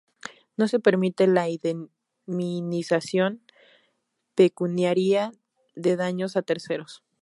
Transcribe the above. No se permite la indemnización pecuniaria de daños a terceros.